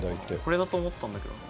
これだと思ったんだけどな。